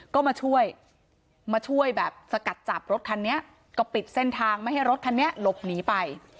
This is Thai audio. ก็มาช่วยมาช่วยแบบสกัดจับรถคันนี้ก็ปิดเส้นทางไม่ให้รถคันนี้หลบหนีไป